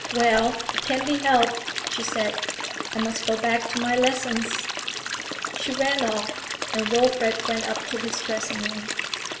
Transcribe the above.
'Well, it can't be helped,' she said. 'I must go back to my lessons.' She ran off, and Wilfrid went up to his dressing room.